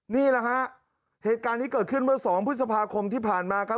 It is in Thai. นี่แหละฮะเหตุการณ์นี้เกิดขึ้นเมื่อ๒พฤษภาคมที่ผ่านมาครับ